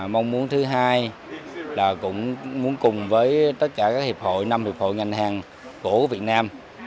mong muốn thứ hai là cũng muốn cùng với tất cả các hiệp hội năm hiệp hội ngành hàng của việt nam